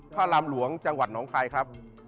พระรามหลวงจังหวัดหนองคายครับ